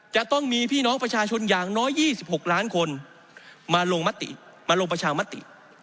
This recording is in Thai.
จะต้องมีพี่น้องประชาชนอย่างน้อย๒๖ล้านคนมาลงมติมาลงประชามติ